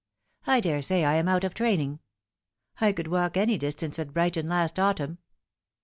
I daresay I am out of training. I could walk any distance at Brighton last autumn.